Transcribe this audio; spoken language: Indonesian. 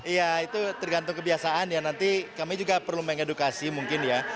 iya itu tergantung kebiasaan ya nanti kami juga perlu mengedukasi mungkin ya